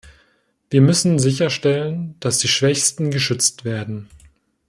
Wir müssen sicherstellen, dass die Schwächsten geschützt werden.